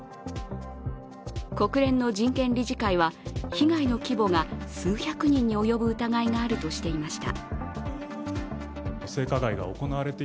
国連の人権理事会は被害の規模が数百人に及ぶ疑いがあるとしていました。